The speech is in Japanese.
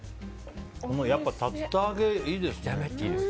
やっぱり、竜田揚げいいですね。